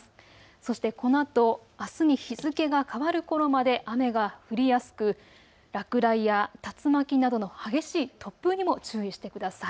そしてこのあと、あすに日付が変わるころまで雨が降りやすく落雷や竜巻などの激しい突風にも注意してください。